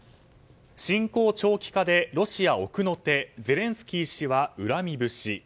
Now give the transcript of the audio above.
侵攻長期化でロシア奥の手ゼレンスキー氏は恨み節。